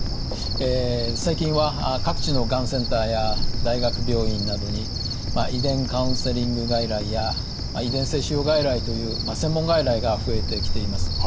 最近は各地のがんセンターや大学病院などに遺伝カウンセリング外来や遺伝性腫瘍外来という専門外来が増えてきています。